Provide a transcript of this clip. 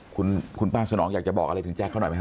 คุณป้าสนองอยากจะบอกอะไรถึงแก๊คเขาหน่อยไหมฮ